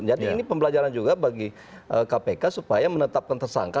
jadi ini pembelajaran juga bagi kpk supaya menetapkan tersangka